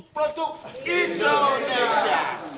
cintailah produk produk indonesia